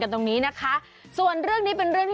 กินถูกไหมได้ณรึเปล่า